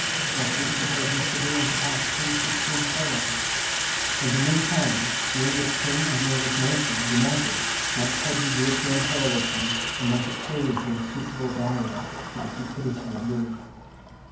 Statutes imposing civil incapacities would soon follow. In the meantime, the English King and the English nation united might head the European coalition, and might oppose an insuperable barrier to the cupidity of Lewis.